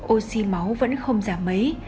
oxy máu vẫn không giảm mấy